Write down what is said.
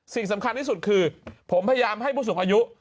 สิ่งสำคัญที่สุดคือผมพยายามให้ผู้สูงอายุ